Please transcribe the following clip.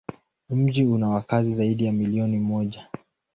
Mji una wakazi zaidi ya milioni moja.